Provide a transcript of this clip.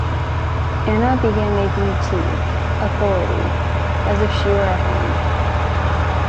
Anna began making tea, authority, as if she were at home.